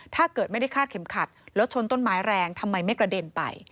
ถ้าเกิดไม่ได้คาดเข็มขัดแล้วชนต้นไม้แรงทำไมไม่กระเด็นไป